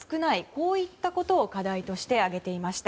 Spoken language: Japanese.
こういったことを課題として挙げていました。